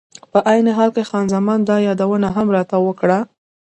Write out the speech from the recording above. په عین حال کې خان زمان دا یادونه هم راته وکړه.